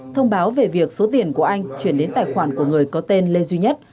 thông báo về việc số tiền của anh chuyển đến tài khoản của người có tên lê duy nhất